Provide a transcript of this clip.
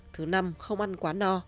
thứ năm không ăn quá no